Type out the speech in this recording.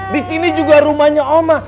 di sini juga rumahnya oma